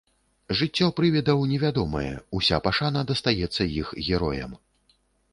Жыццё прывідаў невядомае, уся пашана дастаецца іх героям.